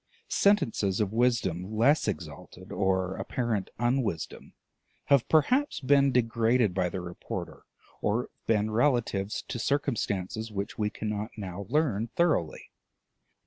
Sentences of wisdom less exalted, or of apparent unwisdom, have perhaps been degraded by the reporter, or have been relative to circumstances which we cannot now learn thoroughly.